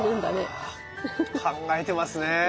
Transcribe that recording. うわ考えてますね。